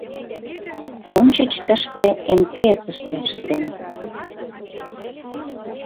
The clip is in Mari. Ончыч тыште, МТС-ыште ыштен.